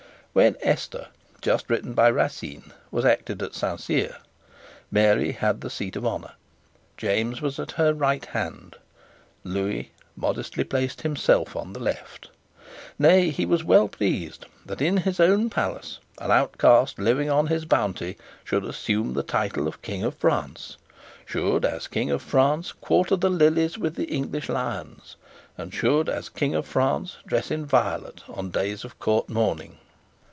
When Esther, just written by Racine, was acted at Saint Cyr, Mary had the seat of honour. James was at her right hand. Lewis modestly placed himself on the left. Nay, he was well pleased that, in his own palace, an outcast living on his bounty should assume the title of King of France, should, as King of France, quarter the lilies with the English lions, and should, as King of France, dress in violet on days of court mourning.